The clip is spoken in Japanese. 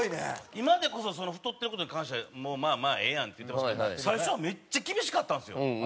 今でこそ太ってる事に関しては「まあまあええやん」って言うてますけど最初はめっちゃ厳しかったんですよ。